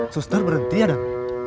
suster berhenti ya dan